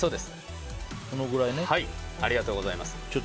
ありがとうございます。